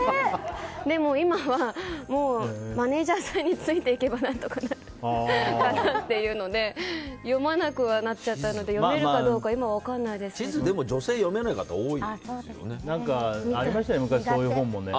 でも今は、マネジャーさんについていけば何とかなるかなっていうので読まなくはなっちゃったので読めるかどうかは地図はでも女性はありましたよね